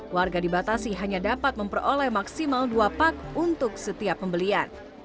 warga dibatasi hanya dapat memperoleh maksimal dua pak untuk setiap pembelian